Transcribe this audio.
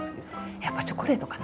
やっぱチョコレートかな。